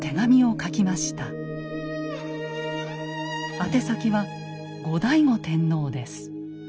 宛先は後醍醐天皇です。